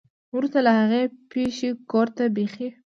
ورورسته له هغې پېښې کور ته بېخي